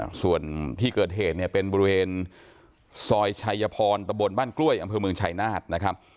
ส่วนที่เกิดเหตุเนี่ยเป็นบริเวณซอยชัยพรตะบนบ้านกล้วยอำเภอเมืองชายนาฏนะครับ